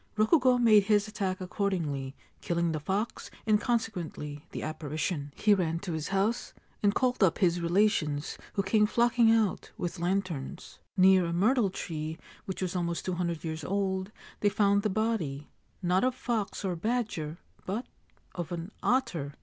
Rokugo made his attack accordingly, killing the fox and consequently the apparition. He ran to his house, and called up his relations, who came flocking out with lanterns. Near a myrtle tree which was almost two hundred years old, they found the body — not of fox or badger, but — of an otter.